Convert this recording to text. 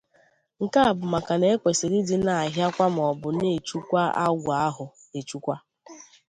Nke a bụ maka na e kwesiri ịdị na-ahịakwa maọbụ na-echukwa agwụ ahụ echukwa